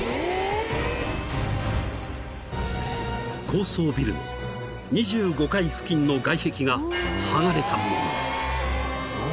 ［高層ビルの２５階付近の外壁が剥がれたもの］